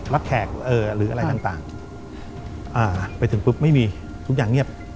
แขกหรืออะไรต่างไปถึงปุ๊บไม่มีทุกอย่างเงียบ